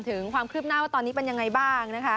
ถึงความคืบหน้าว่าตอนนี้เป็นยังไงบ้างนะคะ